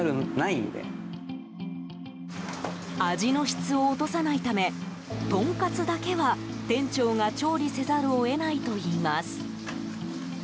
味の質を落とさないためとんかつだけは店長が調理せざるを得ないといいます。